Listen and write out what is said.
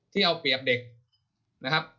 ที่เอาเปรียบเด็กนะครับ